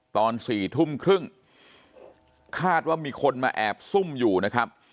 ตอน๔ทุ่มครึ่งคาดว่ามีคนมาแอบซุ่มอยู่นะครับ